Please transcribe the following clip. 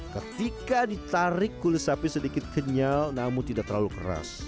ketika ditarik kulit sapi sedikit kenyal namun tidak terlalu keras